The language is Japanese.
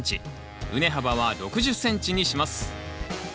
畝幅は６０ｃｍにします。